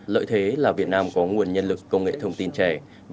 lợi thế là việt nam có nguồn nhân lực công nghệ thông tin trẻ